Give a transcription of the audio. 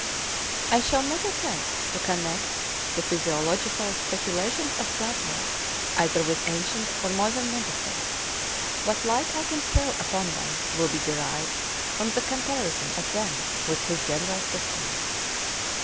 I shall not attempt to connect the physiological speculations of Plato either with ancient or modern medicine. What light I can throw upon them will be derived from the comparison of them with his general system.